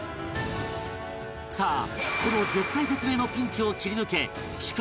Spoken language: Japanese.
さあこの絶体絶命のピンチを切り抜け主君